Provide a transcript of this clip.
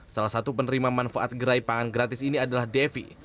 salah satu penerima manfaat gerai pangan gratis ini adalah devi